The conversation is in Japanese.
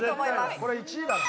これ１位だろ。